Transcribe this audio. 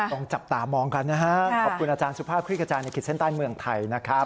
ต้องจับตามองกันนะฮะขอบคุณอาจารย์สุภาพคลิกกระจายในขีดเส้นใต้เมืองไทยนะครับ